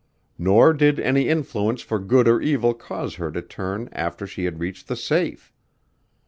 Nor did any influence for good or evil cause her to turn after she had reached the safe.